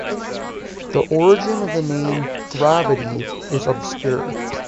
The origin of the name "Gravity" is obscure.